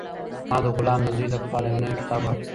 ما د غلام د زوی لپاره یو نوی کتاب واخیست.